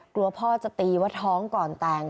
กลัวพ่อจะตีว่าท้องก่อนแต่ง